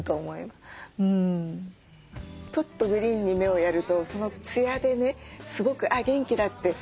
ポッとグリーンに目をやるとそのつやでねすごくあ元気だって。